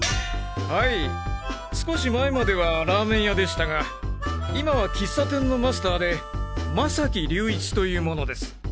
はい少し前まではラーメン屋でしたが今は喫茶店のマスターで間崎竜一という者です。